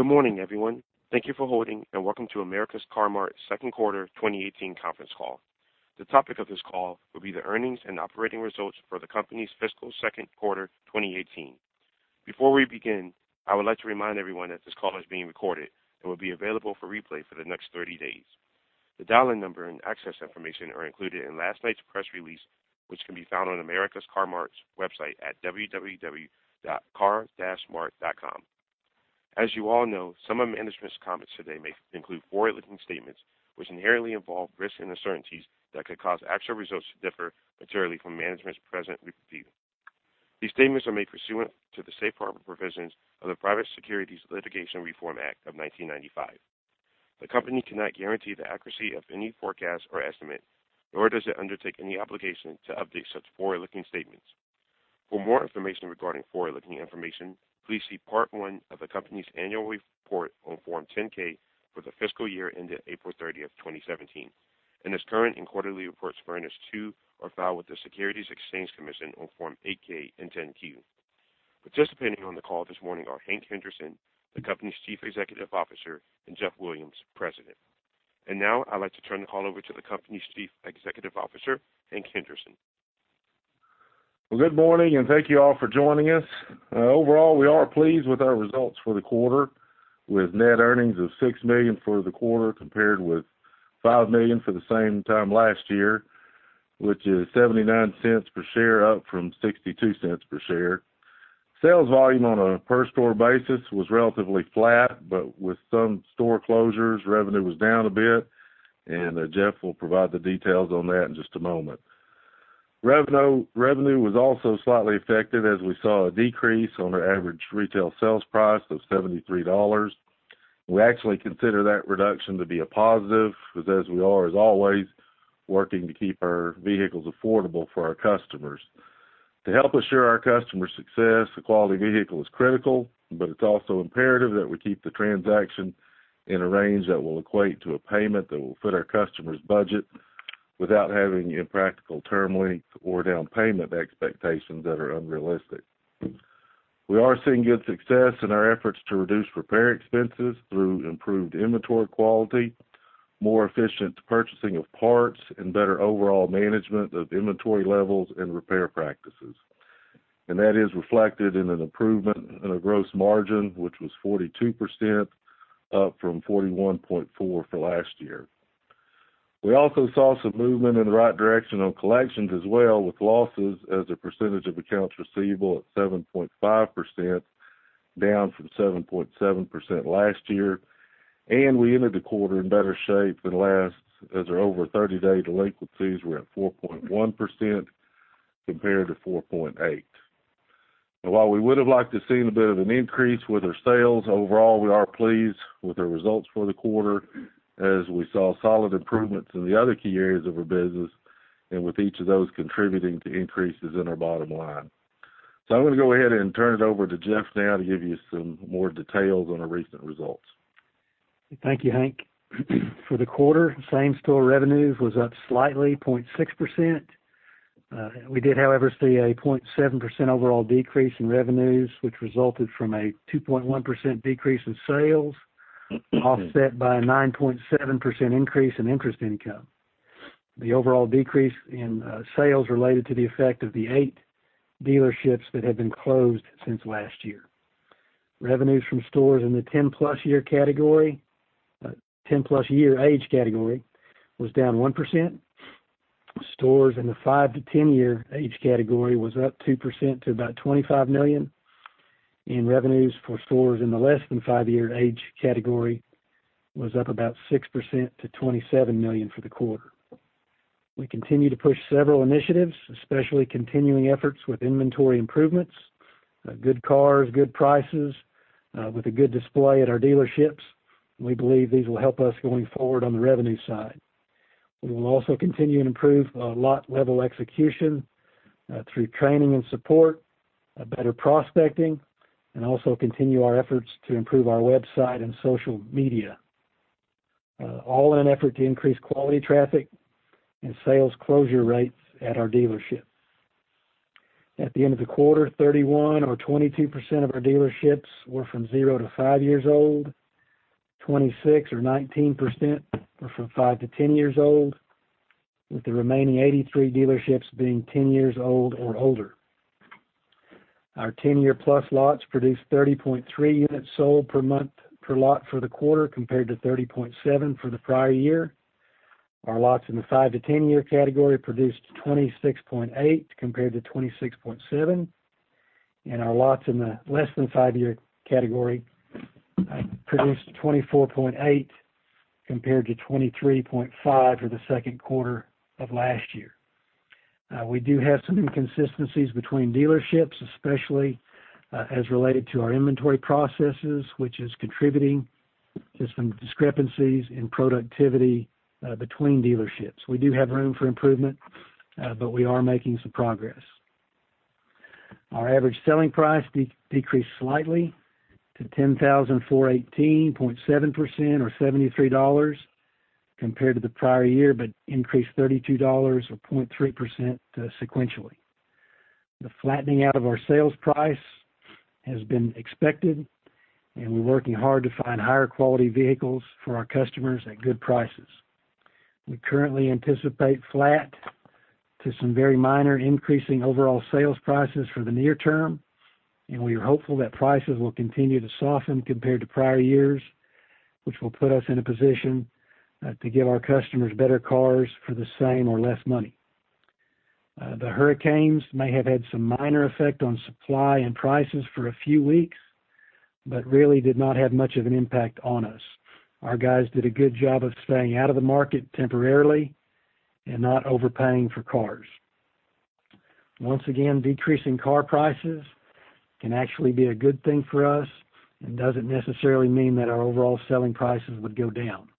Good morning, everyone. Thank you for holding, and welcome to America's Car-Mart second quarter 2018 conference call. The topic of this call will be the earnings and operating results for the company's fiscal second quarter 2018. Before we begin, I would like to remind everyone that this call is being recorded and will be available for replay for the next 30 days. The dial-in number and access information are included in last night's press release, which can be found on America's Car-Mart's website at www.car-mart.com. As you all know, some of management's comments today may include forward-looking statements which inherently involve risks and uncertainties that could cause actual results to differ materially from management's present review. These statements are made pursuant to the safe harbor provisions of the Private Securities Litigation Reform Act of 1995. The company cannot guarantee the accuracy of any forecast or estimate, nor does it undertake any obligation to update such forward-looking statements. For more information regarding forward-looking information, please see Part 1 of the company's annual report on Form 10-K for the fiscal year ended April 30, 2017, and its current and quarterly reports furnished to or filed with the Securities and Exchange Commission on Form 8-K and 10-Q. Participating on the call this morning are Hank Henderson, the company's Chief Executive Officer, and Jeff Williams, President. Now, I'd like to turn the call over to the company's Chief Executive Officer, Hank Henderson. Well, good morning. Thank you all for joining us. Overall, we are pleased with our results for the quarter, with net earnings of $6 million for the quarter compared with $5 million for the same time last year, which is $0.79 per share, up from $0.62 per share. Sales volume on a per store basis was relatively flat, with some store closures, revenue was down a bit. Jeff will provide the details on that in just a moment. Revenue was also slightly affected as we saw a decrease on our average retail sales price of $73. We actually consider that reduction to be a positive because as we are, as always, working to keep our vehicles affordable for our customers. To help assure our customer success, a quality vehicle is critical, it's also imperative that we keep the transaction in a range that will equate to a payment that will fit our customer's budget without having impractical term lengths or down payment expectations that are unrealistic. We are seeing good success in our efforts to reduce repair expenses through improved inventory quality, more efficient purchasing of parts, better overall management of inventory levels and repair practices. That is reflected in an improvement in a gross margin, which was 42%, up from 41.4% for last year. We also saw some movement in the right direction on collections as well with losses as a percentage of accounts receivable at 7.5%, down from 7.7% last year. We entered the quarter in better shape than last as our over 30-day delinquencies were at 4.1% compared to 4.8%. While we would have liked to have seen a bit of an increase with our sales, overall, we are pleased with our results for the quarter as we saw solid improvements in the other key areas of our business and with each of those contributing to increases in our bottom line. I'm going to go ahead and turn it over to Jeff now to give you some more details on our recent results. Thank you, Hank. For the quarter, same-store revenue was up slightly, 0.6%. We did, however, see a 0.7% overall decrease in revenues, which resulted from a 2.1% decrease in sales offset by a 9.7% increase in interest income. The overall decrease in sales related to the effect of the eight dealerships that have been closed since last year. Revenues from stores in the 10-plus year age category was down 1%. Stores in the 5 to 10-year age category was up 2% to about $25 million, and revenues for stores in the less than 5-year age category was up about 6% to $27 million for the quarter. We continue to push several initiatives, especially continuing efforts with inventory improvements, good cars, good prices, with a good display at our dealerships. We believe these will help us going forward on the revenue side. We will also continue and improve our lot level execution through training and support, better prospecting, and also continue our efforts to improve our website and social media, all in an effort to increase quality traffic and sales closure rates at our dealerships. At the end of the quarter, 31 or 22% of our dealerships were from 0 to 5 years old, 26 or 19% were from 5 to 10 years old, with the remaining 83 dealerships being 10 years old or older. Our 10-year-plus lots produced 30.3 units sold per month per lot for the quarter, compared to 30.7 for the prior year. Our lots in the 5 to 10-year category produced 26.8 compared to 26.7. Our lots in the less than 5-year category produced 24.8 compared to 23.5 for the second quarter of last year. We do have some inconsistencies between dealerships, especially as related to our inventory processes, which is contributing to some discrepancies in productivity between dealerships. We do have room for improvement, but we are making some progress. Our average selling price decreased slightly to $10,418, 0.7% or $73 compared to the prior year, but increased $32 or 0.3% sequentially. The flattening out of our sales price has been expected. We're working hard to find higher quality vehicles for our customers at good prices. We currently anticipate flat to some very minor increasing overall sales prices for the near term. We are hopeful that prices will continue to soften compared to prior years, which will put us in a position to give our customers better cars for the same or less money. The hurricanes may have had some minor effect on supply and prices for a few weeks, really did not have much of an impact on us. Our guys did a good job of staying out of the market temporarily and not overpaying for cars. Once again, decreasing car prices can actually be a good thing for us and doesn't necessarily mean that our overall selling prices would go down.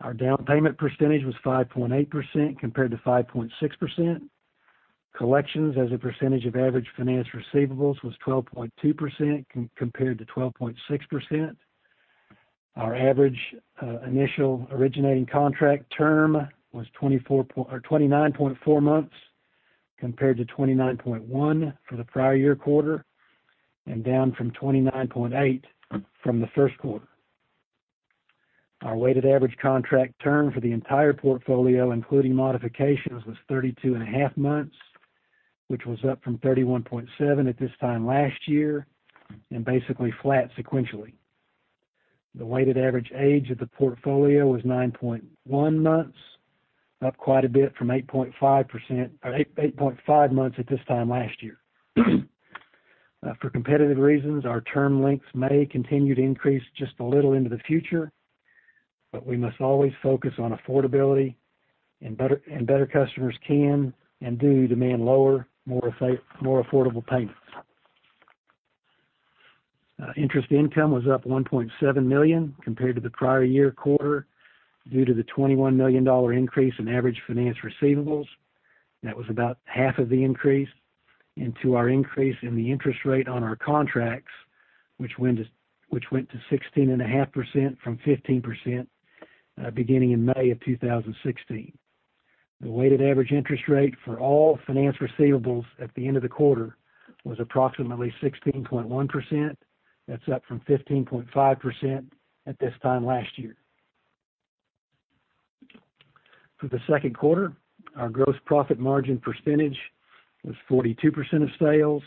Our down payment percentage was 5.8% compared to 5.6%. Collections as a percentage of average finance receivables was 12.2% compared to 12.6%. Our average initial originating contract term was 29.4 months compared to 29.1 for the prior year quarter, and down from 29.8 from the first quarter. Our weighted average contract term for the entire portfolio, including modifications, was 32.5 months, which was up from 31.7 at this time last year, and basically flat sequentially. The weighted average age of the portfolio was 9.1 months, up quite a bit from 8.5 months at this time last year. For competitive reasons, our term lengths may continue to increase just a little into the future, we must always focus on affordability, better customers can and do demand lower, more affordable payments. Interest income was up $1.7 million compared to the prior year quarter due to the $21 million increase in average finance receivables. That was about half of the increase into our increase in the interest rate on our contracts, which went to 16.5% from 15% beginning in May of 2016. The weighted average interest rate for all finance receivables at the end of the quarter was approximately 16.1%. That's up from 15.5% at this time last year. For the second quarter, our gross profit margin percentage was 42% of sales.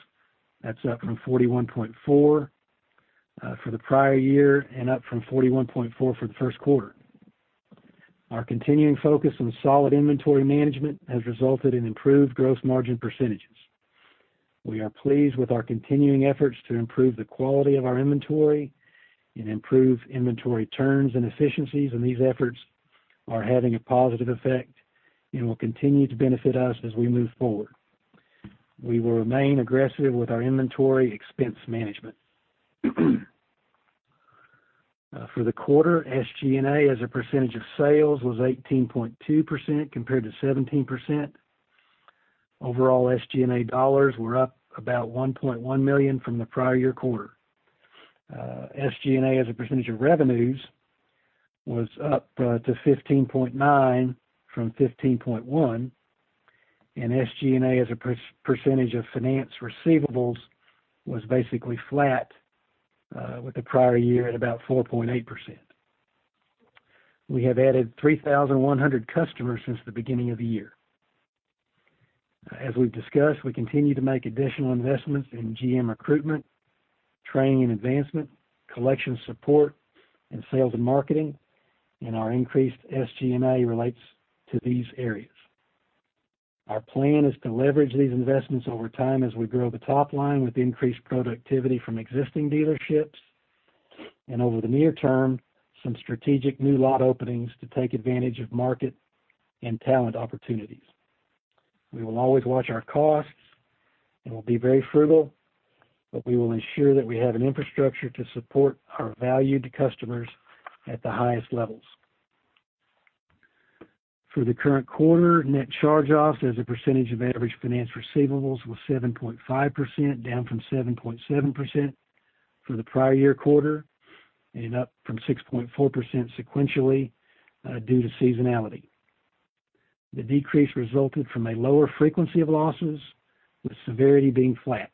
That's up from 41.4% for the prior year and up from 41.4% for the first quarter. Our continuing focus on solid inventory management has resulted in improved gross margin percentages. We are pleased with our continuing efforts to improve the quality of our inventory and improve inventory turns and efficiencies, these efforts are having a positive effect and will continue to benefit us as we move forward. We will remain aggressive with our inventory expense management. For the quarter, SG&A as a percentage of sales was 18.2% compared to 17%. Overall SG&A dollars were up about $1.1 million from the prior year quarter. SG&A as a percentage of revenues was up to 15.9% from 15.1%, SG&A as a percentage of finance receivables was basically flat with the prior year at about 4.8%. We have added 3,100 customers since the beginning of the year. As we've discussed, we continue to make additional investments in GM recruitment, training and advancement, collection support, and sales and marketing, our increased SG&A relates to these areas. Our plan is to leverage these investments over time as we grow the top line with increased productivity from existing dealerships, over the near term, some strategic new lot openings to take advantage of market and talent opportunities. We will always watch our costs, we'll be very frugal, we will ensure that we have an infrastructure to support our valued customers at the highest levels. For the current quarter, net charge-offs as a percentage of average finance receivables was 7.5%, down from 7.7% for the prior year quarter, up from 6.4% sequentially due to seasonality. The decrease resulted from a lower frequency of losses with severity being flat.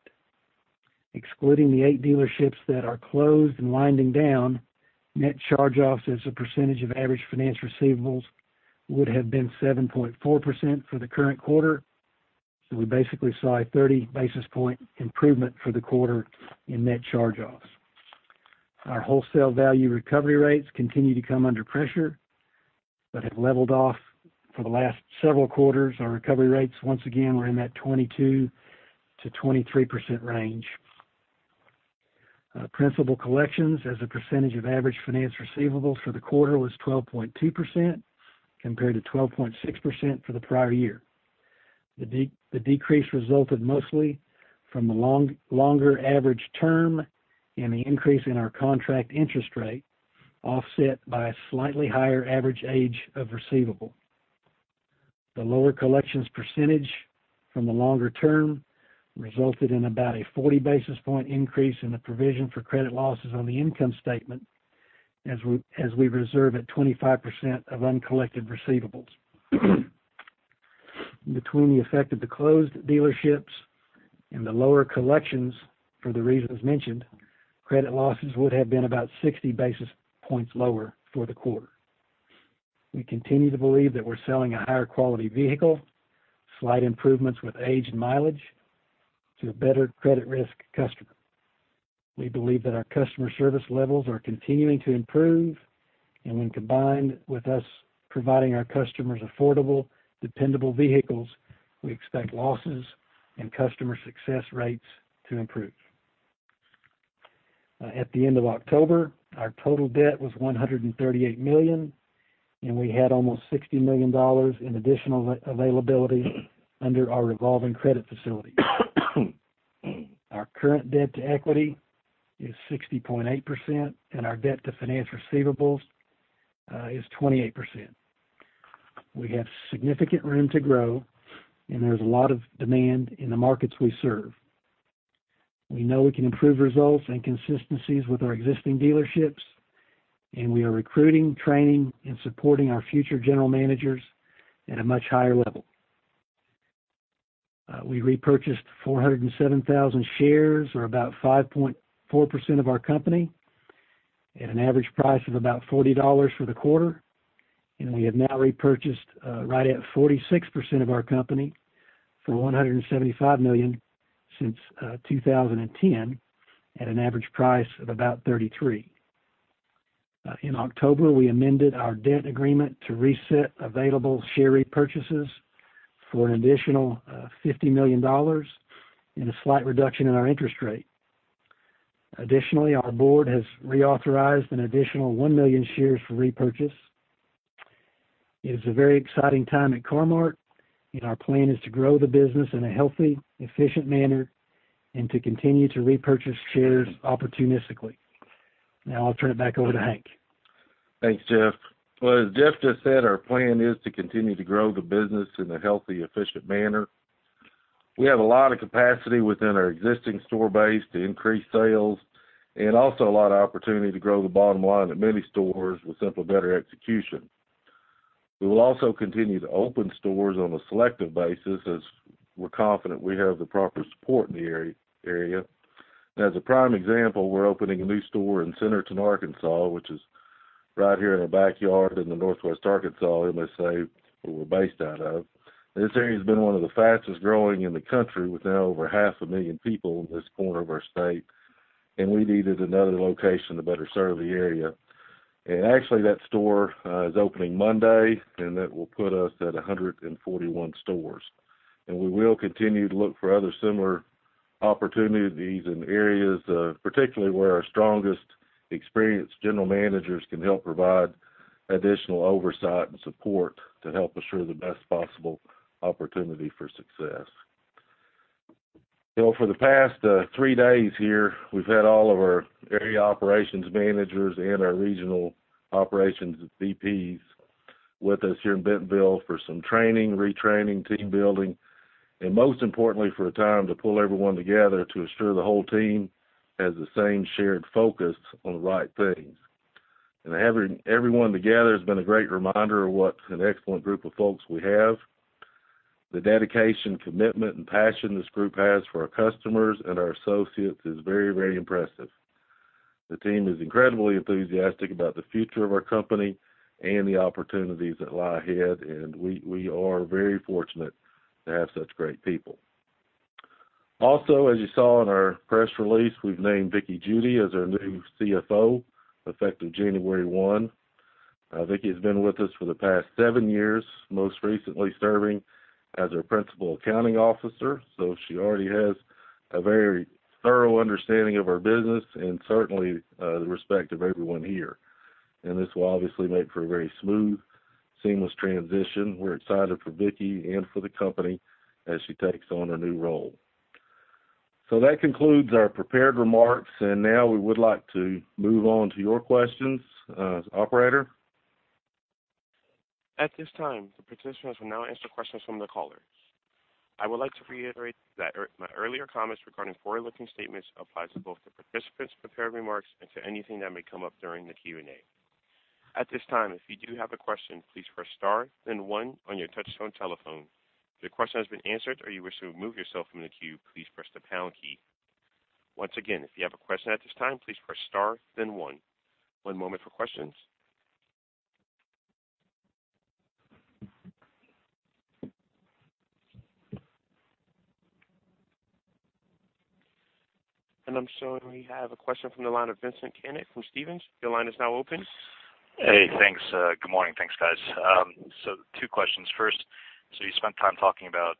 Excluding the eight dealerships that are closed and winding down, net charge-offs as a percentage of average finance receivables would have been 7.4% for the current quarter. We basically saw a 30 basis point improvement for the quarter in net charge-offs. Our wholesale value recovery rates continue to come under pressure, but have leveled off for the last several quarters. Our recovery rates, once again, were in that 22%-23% range. Principal collections as a percentage of average finance receivables for the quarter was 12.2% compared to 12.6% for the prior year. The decrease resulted mostly from the longer average term and the increase in our contract interest rate, offset by a slightly higher average age of receivable. The lower collections percentage from the longer term resulted in about a 40-basis-point increase in the provision for credit losses on the income statement. As we reserve at 25% of uncollected receivables. Between the effect of the closed dealerships and the lower collections for the reasons mentioned, credit losses would have been about 60 basis points lower for the quarter. We continue to believe that we're selling a higher quality vehicle, slight improvements with age and mileage to a better credit risk customer. We believe that our customer service levels are continuing to improve, and when combined with us providing our customers affordable, dependable vehicles, we expect losses and customer success rates to improve. At the end of October, our total debt was $138 million, and we had almost $60 million in additional availability under our revolving credit facility. Our current debt to equity is 60.8%, and our debt to finance receivables is 28%. We have significant room to grow, and there's a lot of demand in the markets we serve. We know we can improve results and consistencies with our existing dealerships, and we are recruiting, training, and supporting our future general managers at a much higher level. We repurchased 407,000 shares, or about 5.4% of our company, at an average price of about $40 for the quarter. We have now repurchased right at 46% of our company for $175 million since 2010, at an average price of about $33. In October, we amended our debt agreement to reset available share repurchases for an additional $50 million and a slight reduction in our interest rate. Additionally, our board has reauthorized an additional 1 million shares for repurchase. It is a very exciting time at Car-Mart, and our plan is to grow the business in a healthy, efficient manner and to continue to repurchase shares opportunistically. I'll turn it back over to Hank. Thanks, Jeff. As Jeff just said, our plan is to continue to grow the business in a healthy, efficient manner. We have a lot of capacity within our existing store base to increase sales and also a lot of opportunity to grow the bottom line at many stores with simply better execution. We will also continue to open stores on a selective basis as we're confident we have the proper support in the area. As a prime example, we're opening a new store in Centerton, Arkansas, which is right here in our backyard in the northwest Arkansas MSA where we're based out of. This area has been one of the fastest-growing in the country, with now over half a million people in this corner of our state, and we needed another location to better serve the area. Actually, that store is opening Monday, and that will put us at 141 stores. We will continue to look for other similar opportunities in areas, particularly where our strongest experienced general managers can help provide additional oversight and support to help assure the best possible opportunity for success. For the past three days here, we've had all of our area operations managers and our regional operations VPs with us here in Bentonville for some training, retraining, team building, and most importantly, for a time to pull everyone together to ensure the whole team has the same shared focus on the right things. Having everyone together has been a great reminder of what an excellent group of folks we have. The dedication, commitment, and passion this group has for our customers and our associates is very, very impressive. The team is incredibly enthusiastic about the future of our company and the opportunities that lie ahead, we are very fortunate to have such great people. Also, as you saw in our press release, we've named Vickie Judy as our new CFO, effective January 1. Vickie has been with us for the past seven years, most recently serving as our principal accounting officer. She already has a very thorough understanding of our business and certainly the respect of everyone here. This will obviously make for a very smooth, seamless transition. We're excited for Vickie and for the company as she takes on her new role. That concludes our prepared remarks, now we would like to move on to your questions. Operator? At this time, the participants will now answer questions from the callers. I would like to reiterate that my earlier comments regarding forward-looking statements applies both to participants' prepared remarks and to anything that may come up during the Q&A. At this time, if you do have a question, please press star then one on your touch-tone telephone. If your question has been answered or you wish to remove yourself from the queue, please press the pound key. Once again, if you have a question at this time, please press star then one. One moment for questions. I'm showing we have a question from the line of Vincent Caintic from Stephens. Your line is now open. Hey, thanks. Good morning. Thanks, guys. Two questions. First, you spent time talking about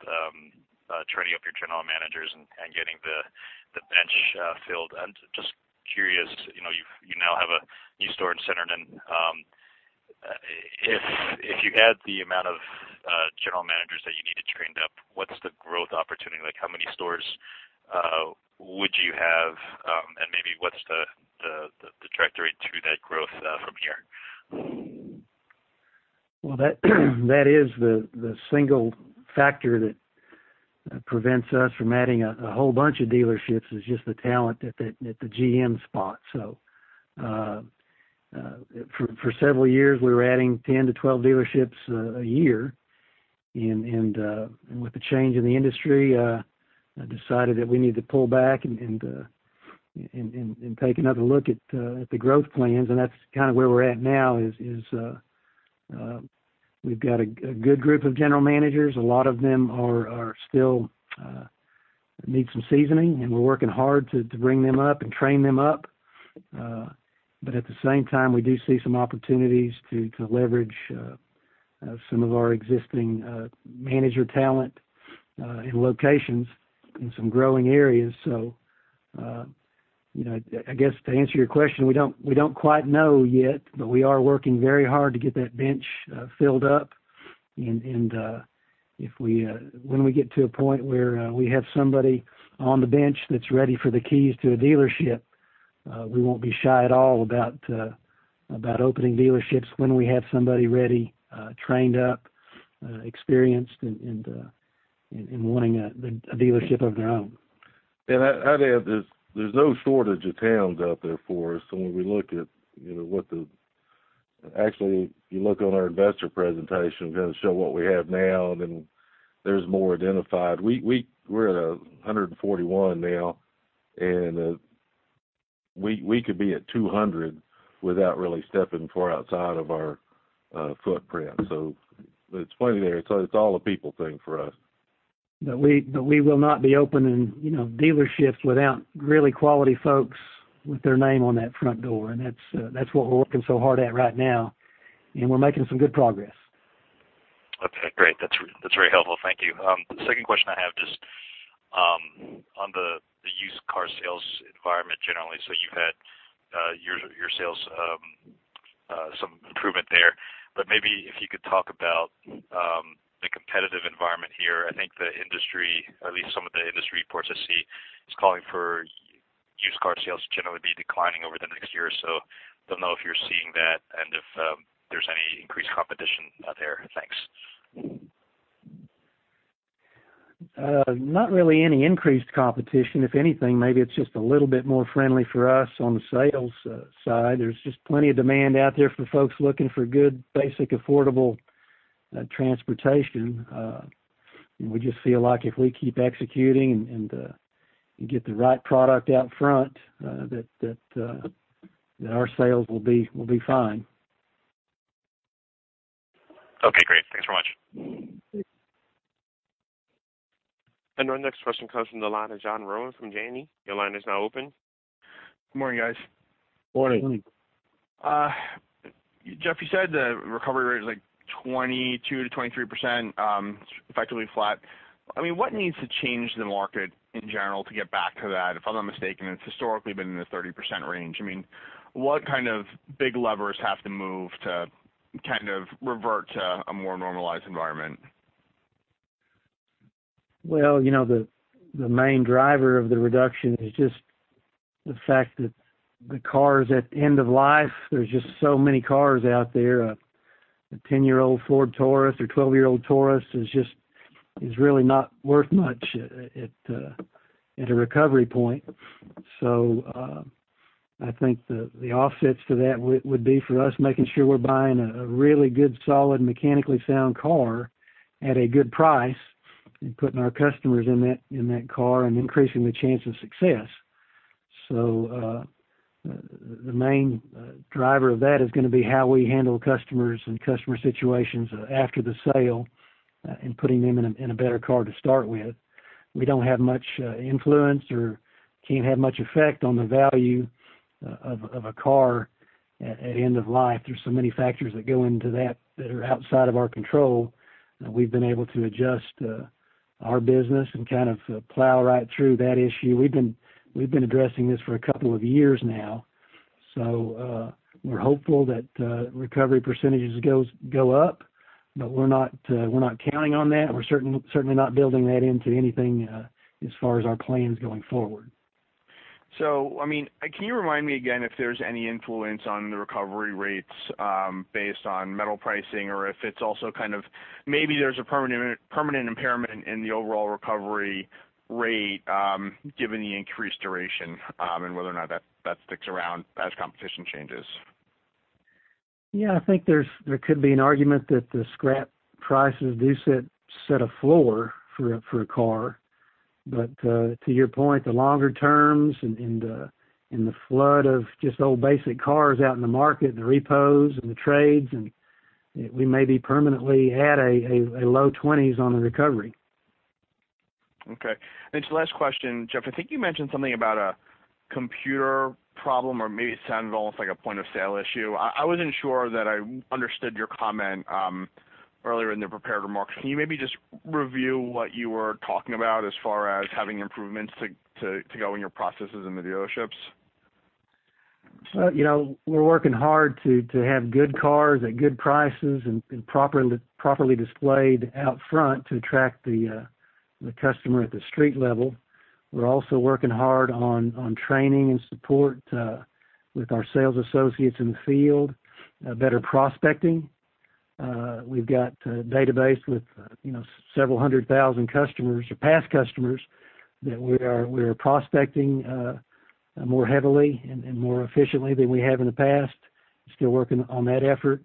training up your general managers and getting the bench filled. I'm just curious, you now have a new store in Centerton. If you add the amount of general managers that you need to train up, what's the growth opportunity? How many stores would you have? Maybe what's the trajectory to that growth from here? That is the single factor that prevents us from adding a whole bunch of dealerships is just the talent at the GM spot. For several years, we were adding 10 to 12 dealerships a year, with the change in the industry, decided that we need to pull back and take another look at the growth plans. That's kind of where we're at now is we've got a good group of general managers. A lot of them still need some seasoning, and we're working hard to bring them up and train them up. At the same time, we do see some opportunities to leverage some of our existing manager talent and locations in some growing areas. I guess to answer your question, we don't quite know yet, but we are working very hard to get that bench filled up. When we get to a point where we have somebody on the bench that's ready for the keys to a dealership, we won't be shy at all about opening dealerships when we have somebody ready, trained up, experienced, and wanting a dealership of their own. I'd add there's no shortage of towns out there for us when we look at what Actually, if you look on our investor presentation, we kind of show what we have now, then there's more identified. We're at 141 now, and we could be at 200 without really stepping far outside of our footprint. It's plenty there. It's all a people thing for us. We will not be opening dealerships without really quality folks with their name on that front door, that's what we're working so hard at right now, and we're making some good progress. Okay, great. That's very helpful. Thank you. The second question I have, just on the used car sales environment generally. You've had your sales, some improvement there, but maybe if you could talk about the competitive environment here. I think the industry, at least some of the industry reports I see, is calling for used car sales to generally be declining over the next year or so. Don't know if you're seeing that and if there's any increased competition there. Thanks. Not really any increased competition. If anything, maybe it's just a little bit more friendly for us on the sales side. There's just plenty of demand out there for folks looking for good, basic, affordable transportation. We just feel like if we keep executing and get the right product out front, that our sales will be fine. Okay, great. Thanks so much. Our next question comes from the line of John Rowan from Janney. Your line is now open. Good morning, guys. Morning. Morning. Jeff, you said the recovery rate is like 22%-23%, effectively flat. What needs to change in the market in general to get back to that? If I'm not mistaken, it's historically been in the 30% range. What kind of big levers have to move to kind of revert to a more normalized environment? Well, the main driver of the reduction is just the fact that the car is at end of life. There's just so many cars out there. A 10-year-old Ford Taurus or 12-year-old Taurus is really not worth much at a recovery point. I think the offsets to that would be for us making sure we're buying a really good, solid, mechanically sound car at a good price, and putting our customers in that car and increasing the chance of success. The main driver of that is going to be how we handle customers and customer situations after the sale, and putting them in a better car to start with. We don't have much influence or can't have much effect on the value of a car at end of life. There's so many factors that go into that are outside of our control. We've been able to adjust our business and kind of plow right through that issue. We've been addressing this for a couple of years now. We're hopeful that recovery % go up, but we're not counting on that. We're certainly not building that into anything as far as our plans going forward. Can you remind me again if there's any influence on the recovery rates, based on metal pricing or if it's also kind of, maybe there's a permanent impairment in the overall recovery rate, given the increased duration, and whether or not that sticks around as competition changes? Yeah, I think there could be an argument that the scrap prices do set a floor for a car. To your point, the longer terms and the flood of just old basic cars out in the market, the repos, and the trades, we may be permanently at a low 20s on the recovery. Okay. Just the last question, Jeff, I think you mentioned something about a computer problem, or maybe it sounded almost like a point-of-sale issue. I wasn't sure that I understood your comment earlier in the prepared remarks. Can you maybe just review what you were talking about as far as having improvements to go in your processes in the dealerships? We're working hard to have good cars at good prices and properly displayed out front to attract the customer at the street level. We're also working hard on training and support with our sales associates in the field, better prospecting. We've got a database with several 100,000 customers or past customers that we are prospecting more heavily and more efficiently than we have in the past. Still working on that effort.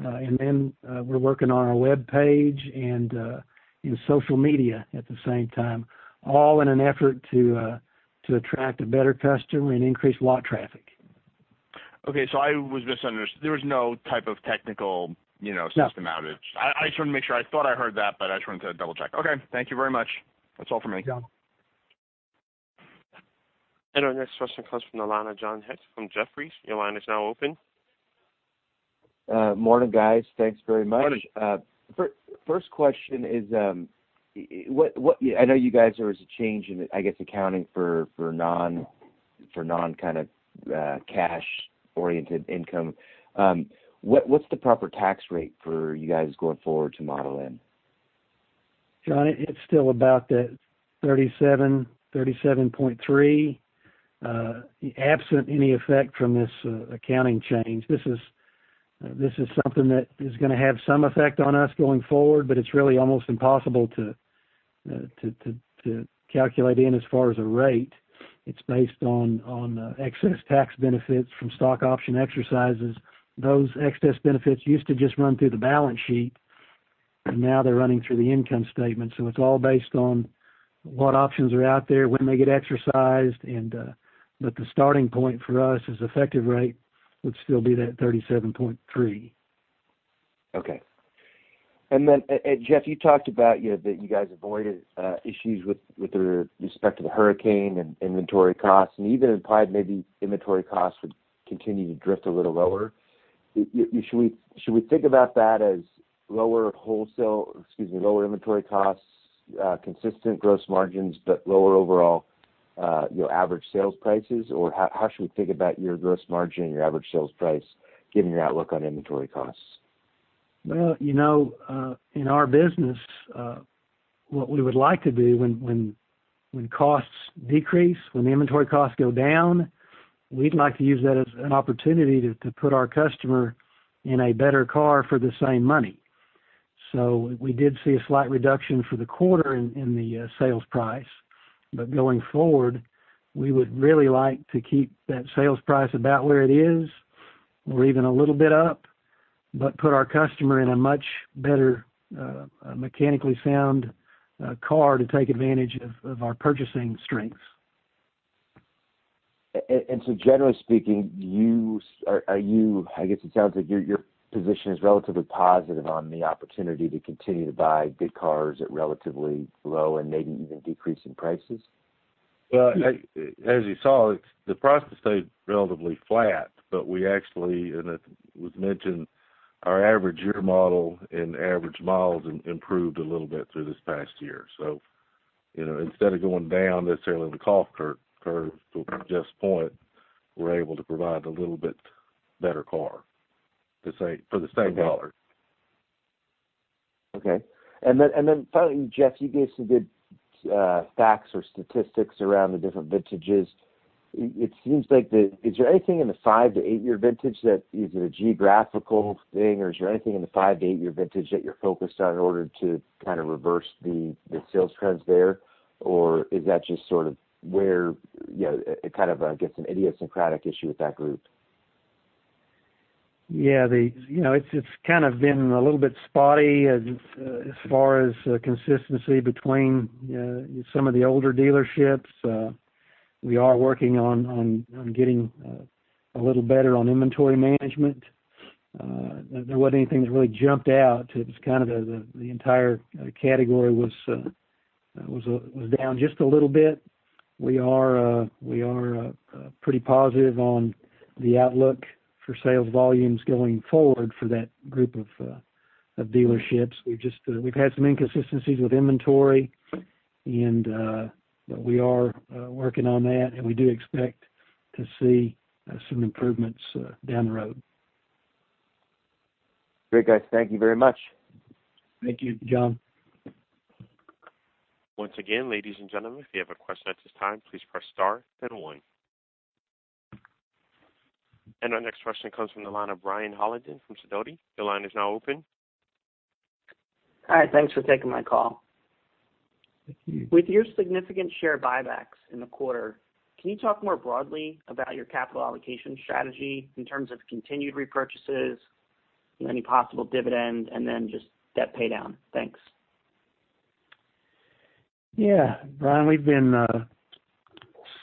We're working on our webpage and in social media at the same time, all in an effort to attract a better customer and increase lot traffic. Okay. I was misunderstanding. There was no type of technical- No system outage. I just wanted to make sure. I thought I heard that, but I just wanted to double-check. Okay, thank you very much. That's all for me. Yeah. Our next question comes from the line of John Hecht from Jefferies. Your line is now open. Morning, guys. Thanks very much. Morning. First question is, I know you guys, there was a change in, I guess, accounting for non kind of cash-oriented income. What's the proper tax rate for you guys going forward to model in? John, it's still about that 37.3, absent any effect from this accounting change. This is something that is going to have some effect on us going forward, but it's really almost impossible to calculate in as far as a rate. It's based on excess tax benefits from stock option exercises. Those excess benefits used to just run through the balance sheet, but now they're running through the income statement. It's all based on what options are out there, when they get exercised, but the starting point for us as effective rate would still be that 37.3. Okay. Then, Jeff, you talked about that you guys avoided issues with respect to the hurricane and inventory costs, even implied maybe inventory costs would continue to drift a little lower. Should we think about that as lower inventory costs, consistent gross margins, but lower overall average sales prices? Or how should we think about your gross margin and your average sales price, given your outlook on inventory costs? Well, in our business, what we would like to do when costs decrease, when the inventory costs go down, we'd like to use that as an opportunity to put our customer in a better car for the same money. We did see a slight reduction for the quarter in the sales price. Going forward, we would really like to keep that sales price about where it is, or even a little bit up, but put our customer in a much better mechanically sound car to take advantage of our purchasing strengths. Generally speaking, I guess it sounds like your position is relatively positive on the opportunity to continue to buy good cars at relatively low and maybe even decreasing prices? Well, as you saw, the profit stayed relatively flat, but we actually, and it was mentioned, our average year model and average miles improved a little bit through this past year. Instead of going down necessarily the cost curve, to Jeff's point, we're able to provide a little bit better car for the same dollar. Okay. Finally, Jeff, you gave some good facts or statistics around the different vintages. Is there anything in the 5 to 8-year vintage that is a geographical thing, or is there anything in the 5 to 8-year vintage that you're focused on in order to kind of reverse the sales trends there? Is that just sort of where it kind of gets an idiosyncratic issue with that group? Yeah. It's kind of been a little bit spotty as far as consistency between some of the older dealerships. We are working on getting a little better on inventory management. There wasn't anything that really jumped out. It was kind of the entire category was down just a little bit. We are pretty positive on the outlook for sales volumes going forward for that group of dealerships. We've had some inconsistencies with inventory, but we are working on that, and we do expect to see some improvements down the road. Great, guys. Thank you very much. Thank you, John. Once again, ladies and gentlemen, if you have a question at this time, please press star then one. Our next question comes from the line of Brian Hollenden from Sidoti. Your line is now open. Hi, thanks for taking my call. Thank you. With your significant share buybacks in the quarter, can you talk more broadly about your capital allocation strategy in terms of continued repurchases, any possible dividend, and then just debt paydown? Thanks. Brian,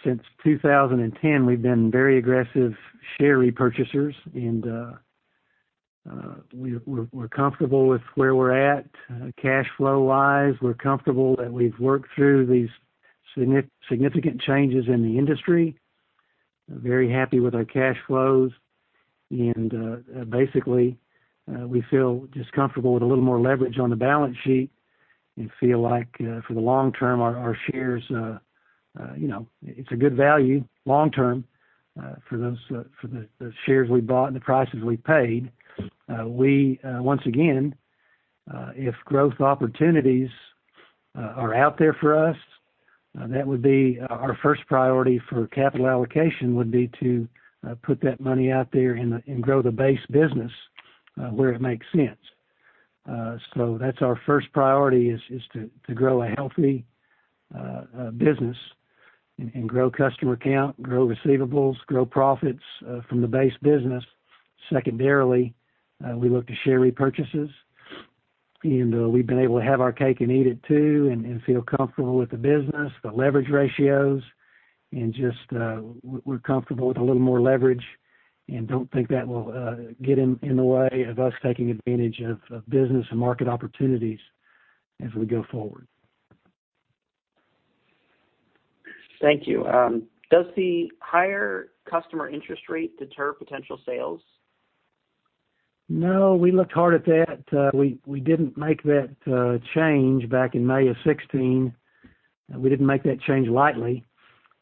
since 2010, we've been very aggressive share repurchasers, and we're comfortable with where we're at cash flow-wise. We're comfortable that we've worked through these significant changes in the industry, very happy with our cash flows. Basically, we feel just comfortable with a little more leverage on the balance sheet and feel like for the long term, our shares, it's a good value long term, for the shares we bought and the prices we paid. We once again. If growth opportunities are out there for us, that would be our first priority for capital allocation would be to put that money out there and grow the base business, where it makes sense. That's our first priority is to grow a healthy business and grow customer count, grow receivables, grow profits from the base business. Secondarily, we look to share repurchases, and we've been able to have our cake and eat it too and feel comfortable with the business, the leverage ratios, and just we're comfortable with a little more leverage and don't think that will get in the way of us taking advantage of business and market opportunities as we go forward. Thank you. Does the higher customer interest rate deter potential sales? No. We looked hard at that. We didn't make that change back in May of 2016. We didn't make that change lightly.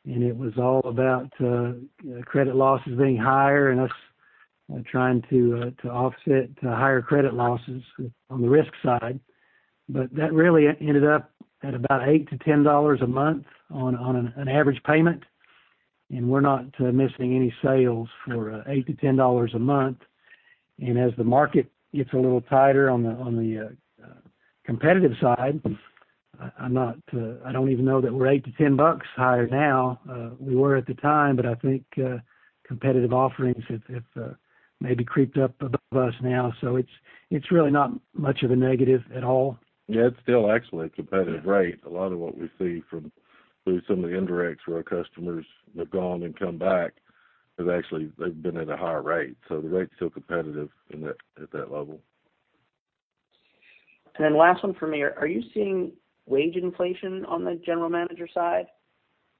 It was all about credit losses being higher and us trying to offset higher credit losses on the risk side. That really ended up at about $8 to $10 a month on an average payment. We're not missing any sales for $8 to $10 a month. As the market gets a little tighter on the competitive side, I don't even know that we're $8 to $10 higher now. We were at the time, but I think competitive offerings have maybe creeped up above us now. It's really not much of a negative at all. Yeah. It's still an excellent competitive rate. A lot of what we see from some of the indirects where our customers have gone and come back, because actually they've been at a higher rate. The rate's still competitive at that level. Last one from me. Are you seeing wage inflation on the general manager side?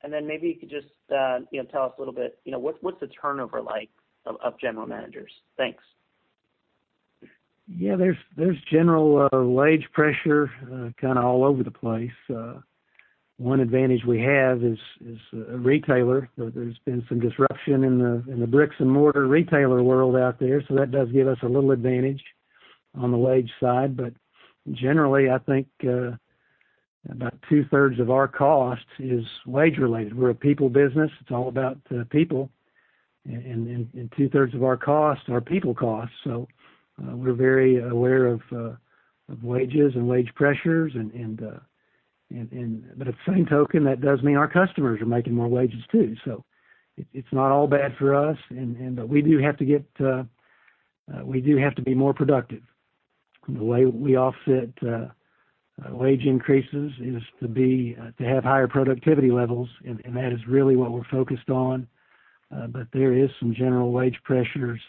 Maybe you could just tell us a little bit, what's the turnover like of general managers? Thanks. Yeah. There's general wage pressure kind of all over the place. One advantage we have is a retailer. There's been some disruption in the bricks and mortar retailer world out there, so that does give us a little advantage on the wage side. Generally, I think about two-thirds of our cost is wage related. We're a people business. It's all about people. Two-thirds of our costs are people costs. We're very aware of wages and wage pressures. At the same token, that does mean our customers are making more wages too. It's not all bad for us. We do have to be more productive. The way we offset wage increases is to have higher productivity levels, and that is really what we're focused on. There is some general wage pressures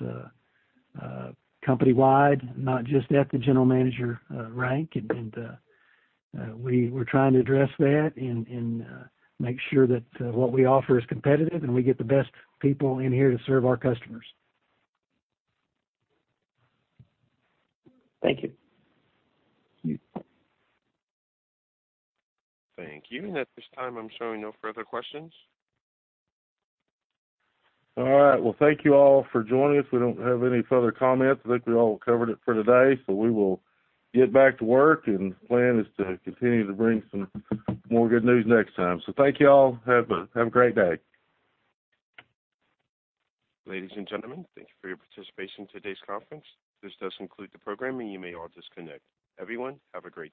company-wide, not just at the general manager rank. We're trying to address that and make sure that what we offer is competitive and we get the best people in here to serve our customers. Thank you. Thank you. Thank you. At this time, I'm showing no further questions. All right. Thank you all for joining us. We don't have any further comments. I think we all covered it for today. We will get back to work, and the plan is to continue to bring some more good news next time. Thank you all. Have a great day. Ladies and gentlemen, thank you for your participation in today's conference. This does conclude the program, and you may all disconnect. Everyone, have a great day.